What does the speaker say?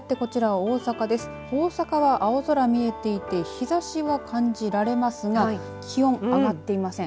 大阪は青空が見えていて日ざしは感じられますが気温、上がっていません。